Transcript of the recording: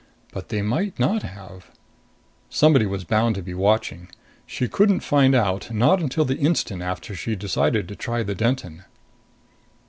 But they might not have. Somebody was bound to be watching. She couldn't find out not until the instant after she decided to try the Denton.